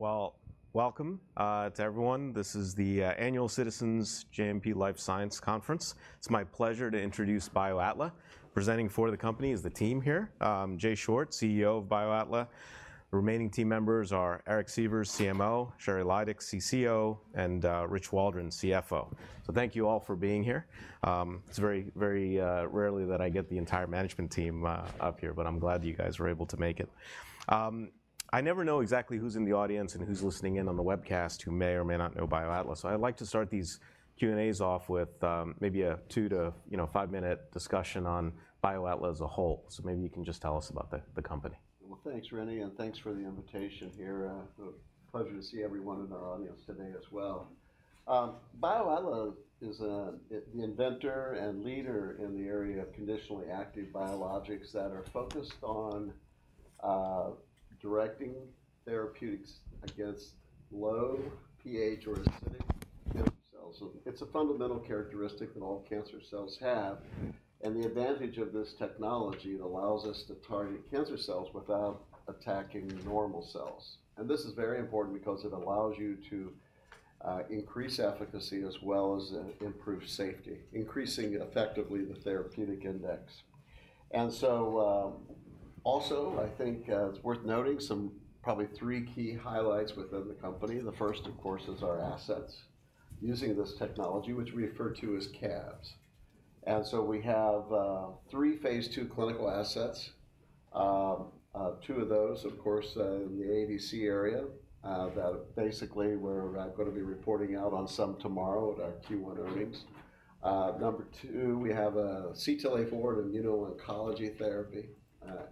Well, welcome to everyone. This is the annual Citizens JMP Life Sciences Conference. It's my pleasure to introduce BioAtla. Presenting for the company is the team here, Jay Short, CEO of BioAtla. The remaining team members are Eric Sievers, CMO, Sheri Lydick, CCO, and Rich Waldron, CFO. So thank you all for being here. It's very, very rarely that I get the entire management team up here, but I'm glad you guys were able to make it. I never know exactly who's in the audience and who's listening in on the webcast, who may or may not know BioAtla. So I'd like to start these Q&A's off with, maybe a two to, you know, five-minute discussion on BioAtla as a whole. So maybe you can just tell us about the company. Well, thanks, Reni, and thanks for the invitation here. A pleasure to see everyone in our audience today as well. BioAtla is the inventor and leader in the area of Conditionally Active Biologics that are focused on directing therapeutics against low pH or acidic cancer cells. So it's a fundamental characteristic that all cancer cells have, and the advantage of this technology, it allows us to target cancer cells without attacking normal cells. And this is very important because it allows you to increase efficacy as well as improve safety, increasing effectively the therapeutic index. And so, also, I think it's worth noting some probably three key highlights within the company. The first, of course, is our assets, using this technology, which we refer to as CABs. And so we have three phase II clinical assets. Two of those, of course, in the ADC area, that basically we're gonna be reporting out on some tomorrow at our Q1 earnings. Number two, we have a CTLA-4 and immuno-oncology therapy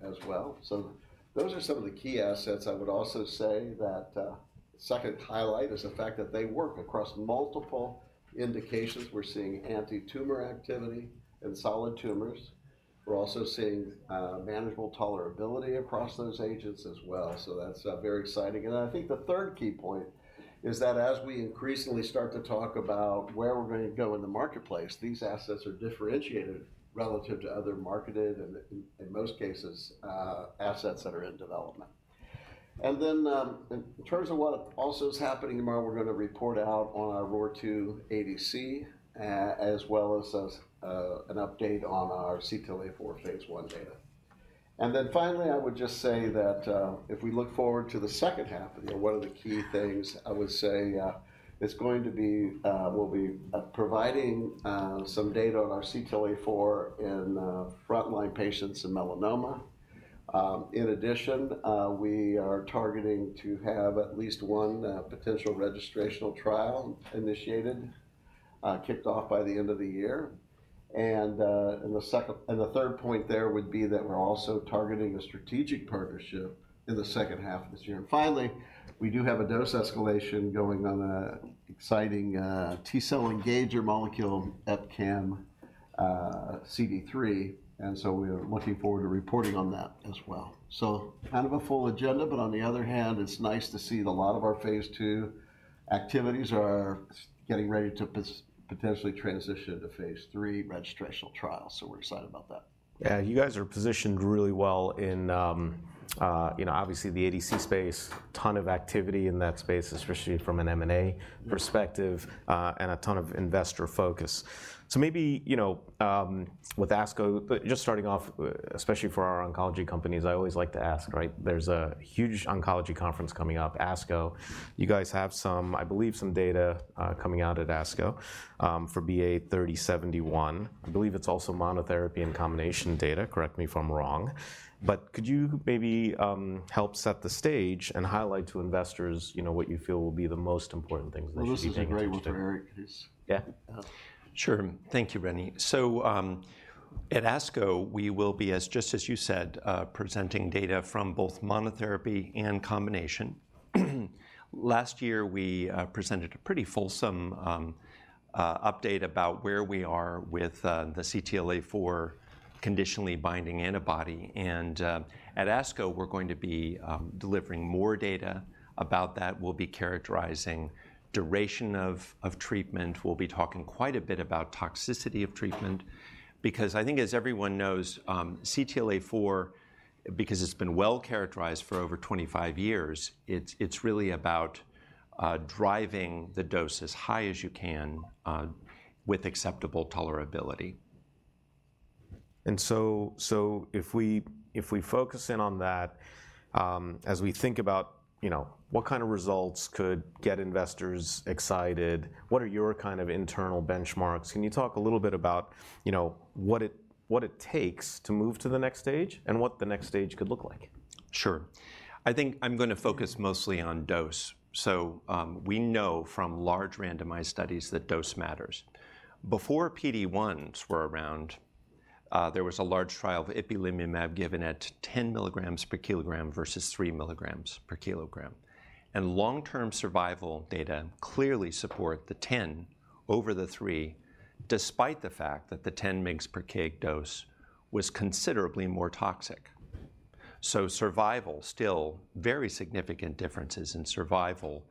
as well. So those are some of the key assets. I would also say that second highlight is the fact that they work across multiple indications. We're seeing anti-tumor activity in solid tumors. We're also seeing manageable tolerability across those agents as well, so that's very exciting. And I think the third key point is that as we increasingly start to talk about where we're gonna go in the marketplace, these assets are differentiated relative to other marketed, and in most cases, assets that are in development. And then, in terms of what also is happening tomorrow, we're gonna report out on our ROR2 ADC, as well as an update on our CTLA-4 phase I data. And then finally, I would just say that, if we look forward to the second half, you know, one of the key things I would say, it's going to be... We'll be providing some data on our CTLA-4 in frontline patients in melanoma. In addition, we are targeting to have at least one potential registrational trial initiated, kicked off by the end of the year. And the second and the third point there would be that we're also targeting a strategic partnership in the second half of this year. Finally, we do have a dose escalation going on a exciting T cell engager molecule EpCAM CD3, and so we're looking forward to reporting on that as well. So kind of a full agenda, but on the other hand, it's nice to see that a lot of our phase II activities are getting ready to potentially transition to phase III registrational trials, so we're excited about that. Yeah, you guys are positioned really well in, you know, obviously the ADC space. A ton of activity in that space, especially from an M&A perspective, and a ton of investor focus. So maybe, you know, with ASCO, but just starting off, especially for our oncology companies, I always like to ask, right? There's a huge oncology conference coming up, ASCO. You guys have some, I believe, some data coming out at ASCO for BA3071. I believe it's also monotherapy and combination data, correct me if I'm wrong, but could you maybe help set the stage and highlight to investors, you know, what you feel will be the most important things that we should be- Well, this is a great one for Eric, please. Yeah. Sure. Thank you, Reni. So, at ASCO, we will be, as just as you said, presenting data from both monotherapy and combination. Last year, we presented a pretty fulsome update about where we are with the CTLA-4 conditionally binding antibody. And at ASCO, we're going to be delivering more data about that. We'll be characterizing duration of treatment. We'll be talking quite a bit about toxicity of treatment because I think as everyone knows, CTLA-4, because it's been well-characterized for over 25 years, it's really about driving the dose as high as you can with acceptable tolerability. So if we focus in on that, as we think about, you know, what kind of results could get investors excited? What are your kind of internal benchmarks? Can you talk a little bit about, you know, what it takes to move to the next stage, and what the next stage could look like? Sure. I think I'm gonna focus mostly on dose. So, we know from large randomized studies that dose matters. Before PD-1s were around, there was a large trial of Ipilimumab given at 10 milligrams per kilogram versus 3 milligrams per kilogram, and long-term survival data clearly support the 10 over the 3, despite the fact that the 10 mgs per kg dose was considerably more toxic. So, survival still shows very significant differences in survival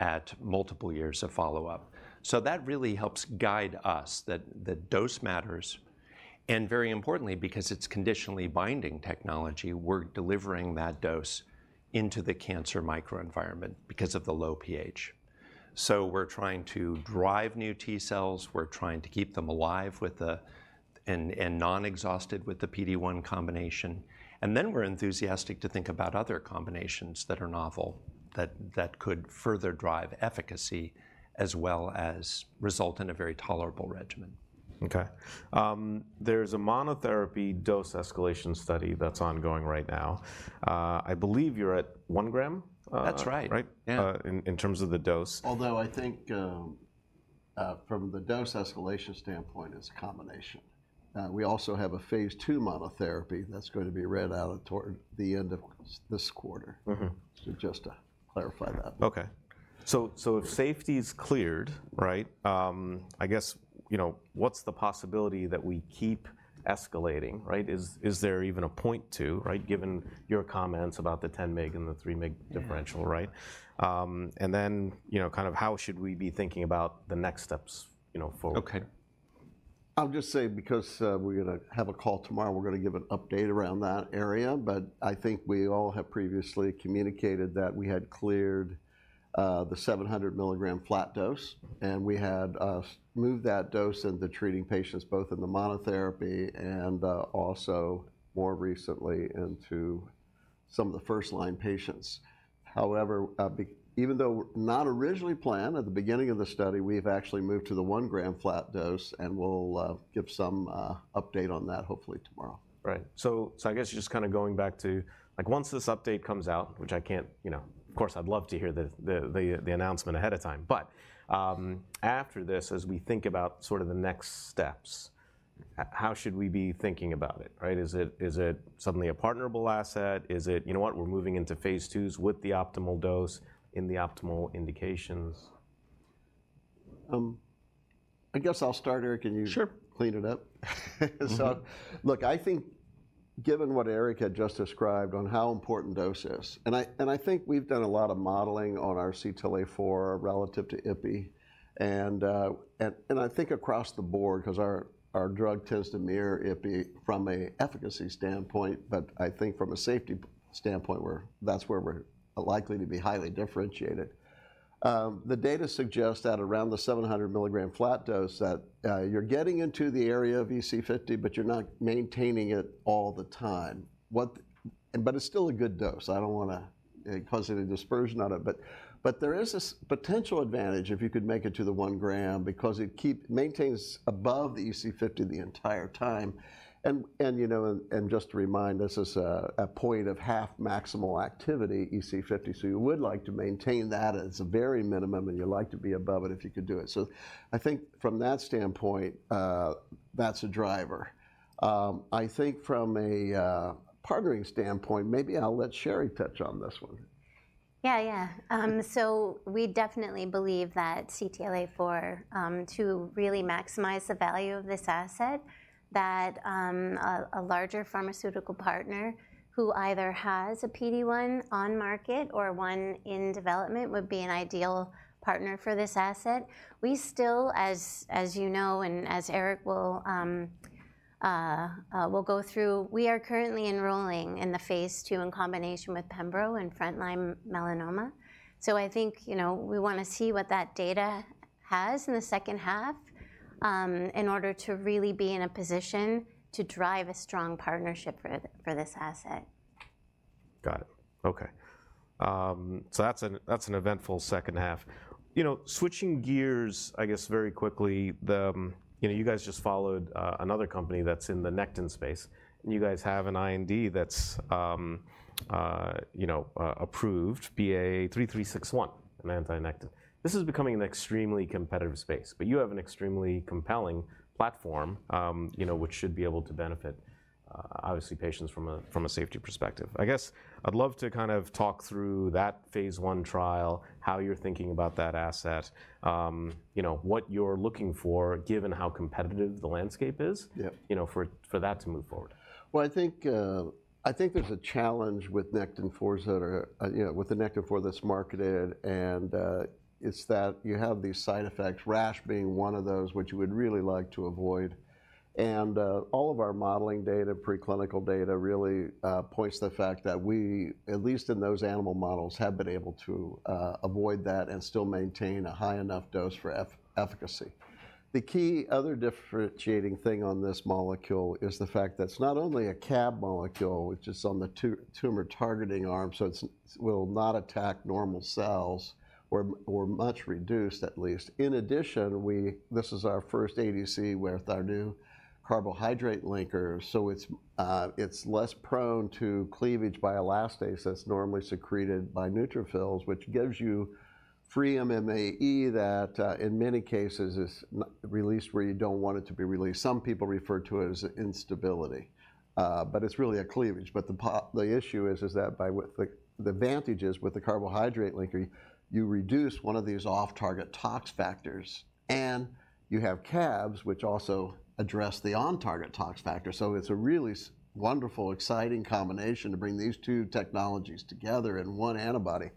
at multiple years of follow-up. So that really helps guide us that, that dose matters, and very importantly, because it's conditionally binding technology, we're delivering that dose into the cancer microenvironment because of the low pH. So we're trying to drive new T cells, we're trying to keep them alive and non-exhausted with the PD-1 combination, and then we're enthusiastic to think about other combinations that are novel, that could further drive efficacy as well as result in a very tolerable regimen. Okay. There's a monotherapy dose escalation study that's ongoing right now. I believe you're at 1 gram? That's right. Right? Yeah. In terms of the dose. Although I think, from the dose escalation standpoint, it's a combination. We also have a phase II monotherapy that's going to be read out toward the end of this quarter. Mm-hmm. Just to clarify that. Okay. So if safety's cleared, right, I guess, you know, what's the possibility that we keep escalating, right? Is there even a point to, right, given your comments about the 10 mg and the 3 mg differential, right? Yeah. And then, you know, kind of how should we be thinking about the next steps, you know, for... Okay. I'll just say because we're gonna have a call tomorrow, we're gonna give an update around that area, but I think we all have previously communicated that we had cleared the 700-milligram flat dose, and we had moved that dose into treating patients both in the monotherapy and also, more recently, into some of the first-line patients. However, even though not originally planned at the beginning of the study, we've actually moved to the 1-gram flat dose, and we'll give some update on that, hopefully tomorrow. Right. So, so I guess just kind of going back to, like, once this update comes out, which I can't... You know, of course, I'd love to hear the announcement ahead of time, but, after this, as we think about sort of the next steps, how should we be thinking about it, right? Is it, is it suddenly a partnerable asset? Is it, "You know what? We're moving into phase IIs with the optimal dose in the optimal indications"? I guess I'll start, Eric, and you- Sure... clean it up. Mm-hmm. So look, I think, given what Eric had just described on how important dose is, and I think we've done a lot of modeling on our CTLA-4 relative to ipi, and I think across the board, 'cause our drug tends to mirror ipi from an efficacy standpoint, but I think from a safety standpoint, we're; that's where we're likely to be highly differentiated. The data suggests at around the 700 milligram flat dose that you're getting into the area of EC50, but you're not maintaining it all the time. But it's still a good dose. I don't wanna cause any disparagement on it, but there is a significant potential advantage if you could make it to the 1 gram because it maintains above the EC50 the entire time. You know, just to remind, this is a point of half maximal activity, EC50, so you would like to maintain that as a very minimum, and you'd like to be above it if you could do it. So I think from that standpoint, that's a driver. I think from a partnering standpoint, maybe I'll let Sheri touch on this one. Yeah, yeah. So we definitely believe that CTLA-4, to really maximize the value of this asset, that a larger pharmaceutical partner who either has a PD-1 on market or one in development would be an ideal partner for this asset. We still, as you know, and as Eric will go through, we are currently enrolling in the phase II in combination with pembro in frontline melanoma. So I think, you know, we wanna see what that data has in the second half, in order to really be in a position to drive a strong partnership for this asset. Got it. Okay. So that's an eventful second half. You know, switching gears, I guess very quickly, you know, you guys just followed another company that's in the Nectin space, and you guys have an IND that's approved, BA3361, an anti-Nectin. This is becoming an extremely competitive space, but you have an extremely compelling platform, you know, which should be able to benefit, obviously, patients from a safety perspective. I guess I'd love to kind of talk through that phase I trial, how you're thinking about that asset, you know, what you're looking for, given how competitive the landscape is- Yeah... you know, for that to move forward. Well, I think there's a challenge with Nectin-4s that are, you know, with the Nectin-4 that's marketed, and it's that you have these side effects, rash being one of those, which you would really like to avoid. And all of our modeling data, preclinical data, really points to the fact that we, at least in those animal models, have been able to avoid that and still maintain a high enough dose for efficacy. The key other differentiating thing on this molecule is the fact that it's not only a CAB molecule, which is on the tumor-targeting arm, so it's, will not attack normal cells, or much reduced, at least. In addition, we... This is our first ADC, where with our new-... Carbohydrate linker, so it's less prone to cleavage by elastase that's normally secreted by neutrophils, which gives you free MMAE that in many cases is not released where you don't want it to be released. Some people refer to it as instability, but it's really a cleavage. But the issue is that with the advantages with the carbohydrate linking, you reduce one of these off-target tox factors, and you have CABs, which also address the on-target tox factor. So it's a really wonderful, exciting combination to bring these two technologies together in one antibody.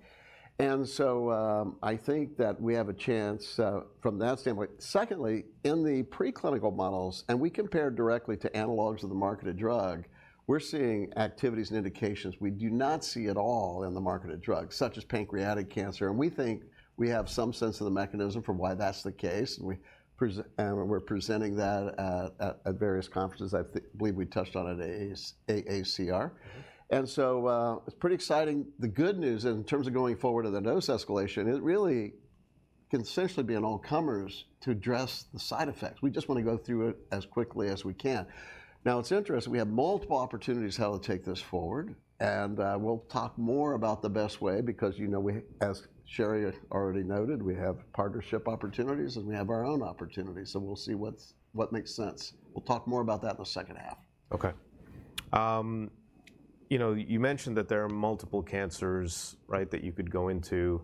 And so, I think that we have a chance from that standpoint. Secondly, in the preclinical models, and we compared directly to analogs of the marketed drug, we're seeing activities and indications we do not see at all in the marketed drug, such as pancreatic cancer, and we think we have some sense of the mechanism for why that's the case, and we're presenting that at various conferences. I believe we touched on it at AACR. So, it's pretty exciting. The good news, in terms of going forward with the dose escalation, it really can essentially be an all-comers to address the side effects. We just want to go through it as quickly as we can. Now, it's interesting, we have multiple opportunities how to take this forward, and, we'll talk more about the best way, because, you know, we, as Sheri already noted, we have partnership opportunities, and we have our own opportunities, so we'll see what makes sense. We'll talk more about that in the second half. Okay. You know, you mentioned that there are multiple cancers, right, that you could go into.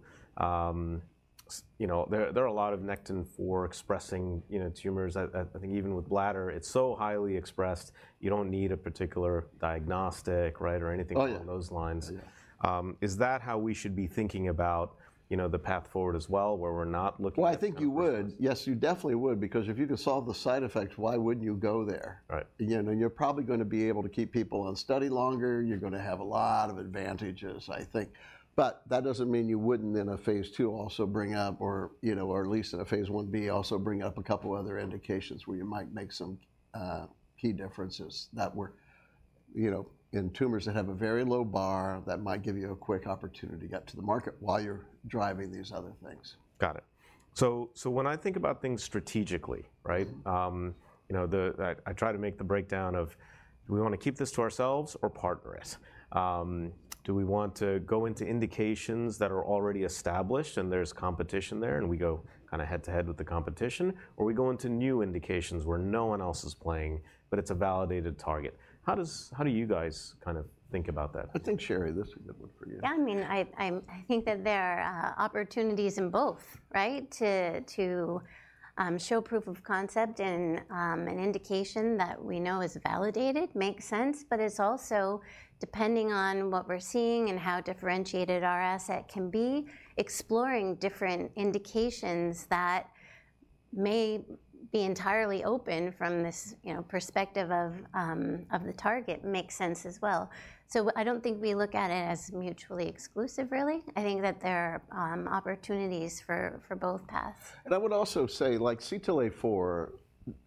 You know, there are a lot of Nectin-4 expressing, you know, tumors that... I think even with bladder, it's so highly expressed, you don't need a particular diagnostic, right, or anything. Oh, yeah... along those lines. Yeah. Is that how we should be thinking about, you know, the path forward as well, where we're not looking at- Well, I think you would. Yes, you definitely would, because if you could solve the side effects, why wouldn't you go there? Right. You know, you're probably going to be able to keep people on study longer. You're going to have a lot of advantages, I think. But that doesn't mean you wouldn't, in a phase II, also bring up or, you know, or at least in a phase I-B, also bring up a couple other indications where you might make some key differences that were, you know, in tumors that have a very low bar, that might give you a quick opportunity to get to the market while you're driving these other things. Got it. So, so when I think about things strategically, right- Mm-hmm... you know, I, I try to make the breakdown of, do we want to keep this to ourselves or partner it? Do we want to go into indications that are already established, and there's competition there, and we go kind of head-to-head with the competition, or we go into new indications where no one else is playing, but it's a validated target? How does... How do you guys kind of think about that? I think, Sheri, this would look pretty good. Yeah, I mean, I think that there are opportunities in both, right? To show proof of concept and an indication that we know is validated makes sense, but it's also depending on what we're seeing and how differentiated our asset can be, exploring different indications that may be entirely open from this, you know, perspective of the target makes sense as well. So I don't think we look at it as mutually exclusive, really. I think that there are opportunities for both paths. I would also say, like CTLA-4,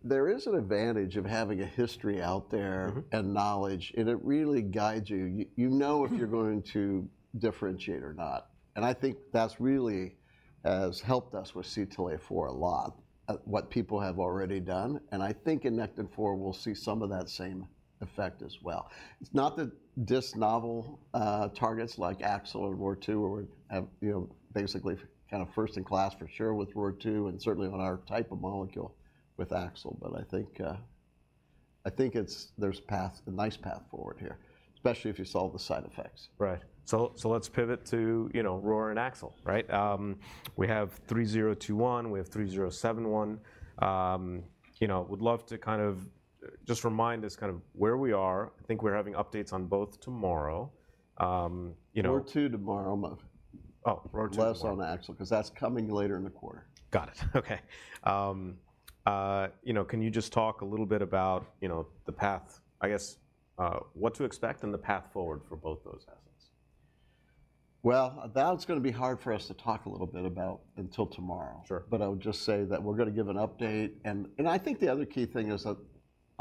there is an advantage of having a history out there- Mm-hmm... and knowledge, and it really guides you. You know- Mm... if you're going to differentiate or not, and I think that's really has helped us with CTLA-4 a lot, what people have already done, and I think in Nectin-4, we'll see some of that same effect as well. It's not that these novel targets, like AXL or ROR2, you know, basically kind of first in class for sure with ROR2, and certainly on our type of molecule with AXL, but I think there's a path, a nice path forward here, especially if you solve the side effects. Right. So, so let's pivot to, you know, ROR and AXL, right? We have 3021, we have 3071. You know, would love to kind of just remind us kind of where we are. I think we're having updates on both tomorrow. You know- ROR2 tomorrow, Oh, ROR2- Less on the AXL, 'cause that's coming later in the quarter. Got it. Okay. You know, can you just talk a little bit about, you know, the path, I guess, what to expect and the path forward for both those assets? Well, that's gonna be hard for us to talk a little bit about until tomorrow. Sure. But I would just say that we're gonna give an update, and I think the other key thing is that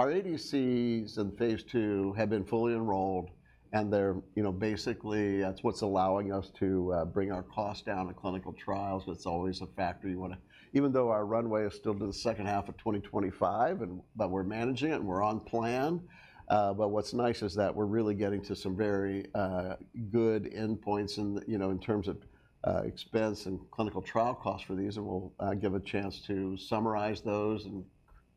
our ADCs in phase II have been fully enrolled, and they're, you know, basically, that's what's allowing us to bring our costs down to clinical trials. That's always a factor you wanna... Even though our runway is still to the second half of 2025, but we're managing it, and we're on plan, but what's nice is that we're really getting to some very good endpoints in, you know, in terms of expense and clinical trial costs for these, and we'll give a chance to summarize those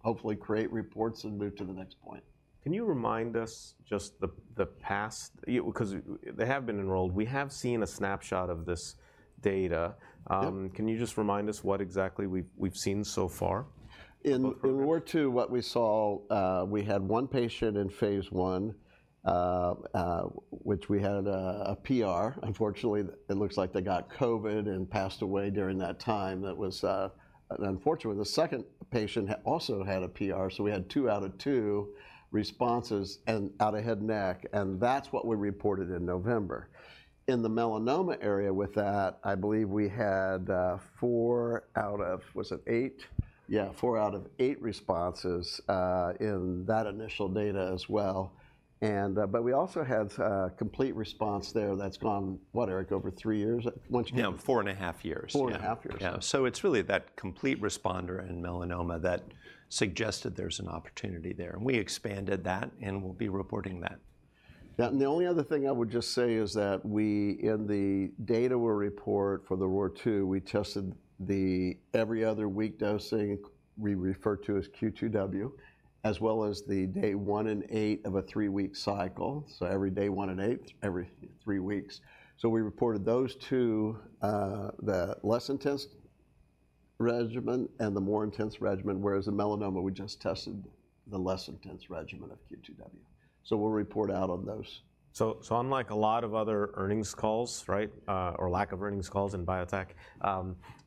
and hopefully create reports and move to the next point. Can you remind us just the past, because they have been enrolled. We have seen a snapshot of this data. Yep. Can you just remind us what exactly we've seen so far in both programs? In ROR2, what we saw, we had one patient in phase I, which we had a PR. Unfortunately, it looks like they got COVID and passed away during that time. That was. And unfortunately, the second patient also had a PR, so we had two out of two responses, and out of head and neck, and that's what we reported in November in the melanoma area with that. I believe we had four out of—was it eight? Yeah, four out of eight responses in that initial data as well. And but we also had complete response there that's gone, what, Eric, over three years? Once you- Yeah, four and a half years. 4.5 years. Yeah. So it's really that complete responder in melanoma that suggested there's an opportunity there, and we expanded that, and we'll be reporting that. Yeah, and the only other thing I would just say is that we, in the data we'll report for the ROR2, we tested the every other week dosing we refer to as Q2W, as well as the day 1 and 8 of a 3-week cycle, so every day 1 and 8 every three weeks. So we reported those two, the less intense regimen and the more intense regimen, whereas the melanoma, we just tested the less intense regimen of Q2W. So we'll report out on those. So, so unlike a lot of other earnings calls, right, or lack of earnings calls in biotech,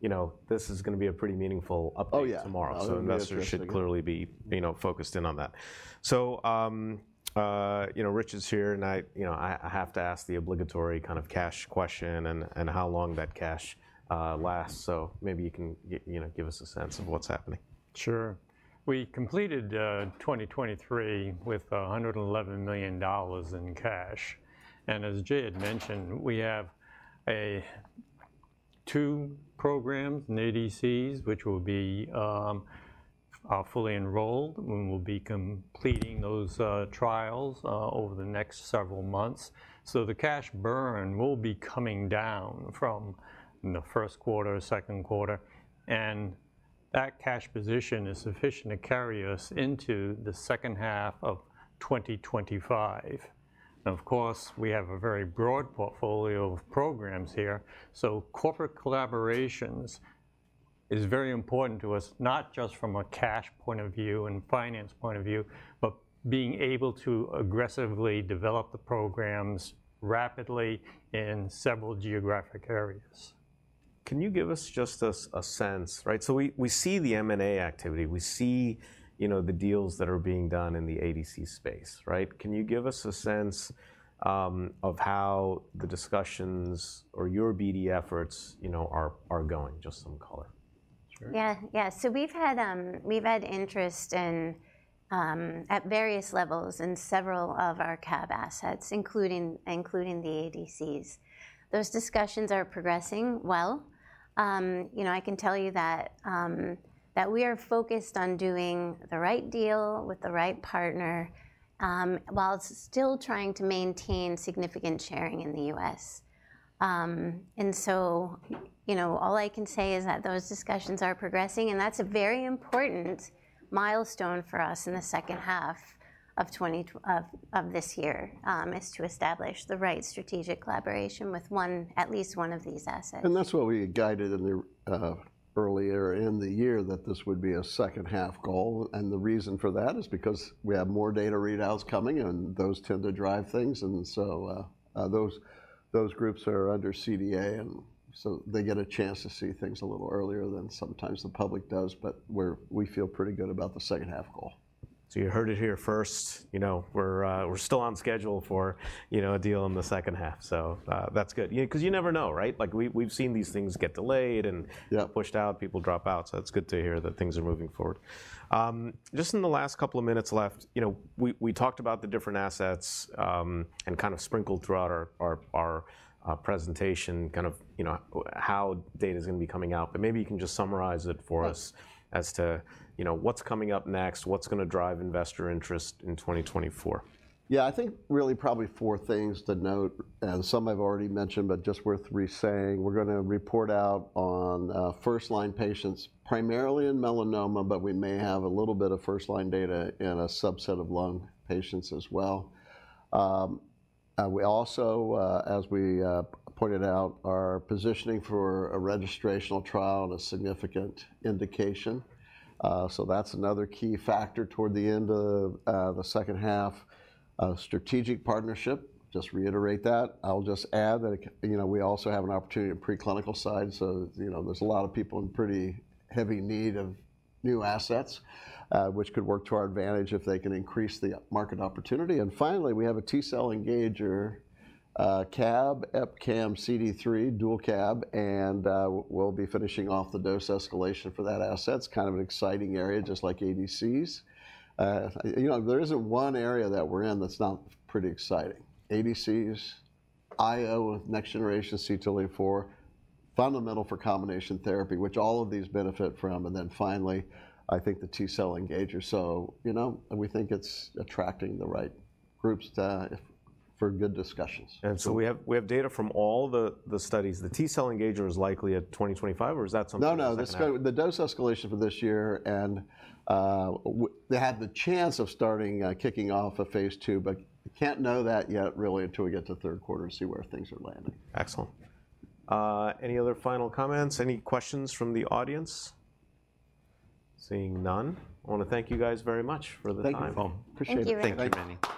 you know, this is gonna be a pretty meaningful update- Oh, yeah... tomorrow. So investors should clearly be, you know, focused in on that. So, you know, Rich is here, and I, you know, I have to ask the obligatory kind of cash question and how long that cash lasts. So maybe you can, you know, give us a sense of what's happening. Sure. We completed 2023 with $111 million in cash, and as Jay had mentioned, we have two programs in ADCs, which will be fully enrolled, and we'll be completing those trials over the next several months. So the cash burn will be coming down from in the first quarter or second quarter, and that cash position is sufficient to carry us into the second half of 2025. And of course, we have a very broad portfolio of programs here, so corporate collaborations is very important to us, not just from a cash point of view and finance point of view, but being able to aggressively develop the programs rapidly in several geographic areas. Can you give us just a sense, right? So we see the M and A activity. We see, you know, the deals that are being done in the ADC space, right? Can you give us a sense of how the discussions or your BD efforts, you know, are going? Just some color. Sure. Yeah. Yeah, so we've had, we've had interest in, at various levels in several of our CAB assets, including, including the ADCs. Those discussions are progressing well. You know, I can tell you that, that we are focused on doing the right deal with the right partner, while still trying to maintain significant sharing in the U.S. And so, you know, all I can say is that those discussions are progressing, and that's a very important milestone for us in the second half of twenty of this year is to establish the right strategic collaboration with one- at least one of these assets. That's what we had guided earlier in the year, that this would be a second half goal, and the reason for that is because we have more data readouts coming, and those tend to drive things, and so those groups are under CDA, and so they get a chance to see things a little earlier than sometimes the public does, but we feel pretty good about the second half goal. So you heard it here first. You know, we're still on schedule for, you know, a deal in the second half. So, that's good. Yeah, 'cause you never know, right? Like, we've seen these things get delayed and- Yeah... pushed out, people drop out, so it's good to hear that things are moving forward. Just in the last couple of minutes left, you know, we talked about the different assets, and kind of sprinkled throughout our presentation, kind of, you know, how data's gonna be coming out, but maybe you can just summarize it for us- Yeah... as to, you know, what's coming up next, what's gonna drive investor interest in 2024. Yeah, I think really probably four things to note, and some I've already mentioned, but just worth re-saying. We're gonna report out on first-line patients, primarily in melanoma, but we may have a little bit of first-line data in a subset of lung patients as well. We also, as we pointed out, are positioning for a registrational trial and a significant indication, so that's another key factor toward the end of the second half. Strategic partnership, just to reiterate that. I'll just add that, you know, we also have an opportunity on preclinical side, so, you know, there's a lot of people in pretty heavy need of new assets, which could work to our advantage if they can increase the market opportunity. And finally, we have a T-cell engager, CAB, EpCAM, CD3, dual CAB, and we'll be finishing off the dose escalation for that asset. It's kind of an exciting area, just like ADCs. You know, there isn't one area that we're in that's not pretty exciting: ADCs, IO with next generation CTLA-4, fundamental for combination therapy, which all of these benefit from, and then finally, I think the T-cell engager. So, you know, and we think it's attracting the right groups to for good discussions. We have data from all the studies. The T-cell engager is likely at 2025, or is that something- No, no, that's the dose escalation for this year, and they have the chance of starting kicking off a phase II, but we can't know that yet really until we get to the third quarter and see where things are landing. Excellent. Any other final comments? Any questions from the audience? Seeing none, I want to thank you guys very much for the time. Thank you. Appreciate it. Thank you very much. Thank you, Reni.